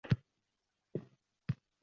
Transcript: Bilan tortay eng so’nggi xatni.